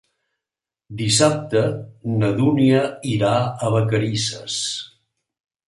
Dissabte na Dúnia irà a Vacarisses.